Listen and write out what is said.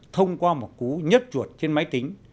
thông qua một cú nhớt chuột trên máy tính